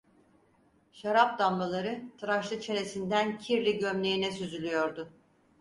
Şarap damlaları tıraşlı çenesinden kirli gömleğine süzülüyordu.